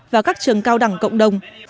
và các trường cao đẳng cộng đồng